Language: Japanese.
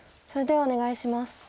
それではお願いします。